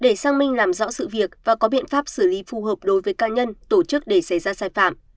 để xác minh làm rõ sự việc và có biện pháp xử lý phù hợp đối với cá nhân tổ chức để xảy ra sai phạm